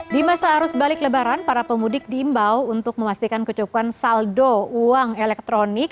di masa arus balik lebaran para pemudik diimbau untuk memastikan kecukupan saldo uang elektronik